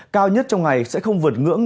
cao nhất trong ngày sẽ không vượt ngưỡng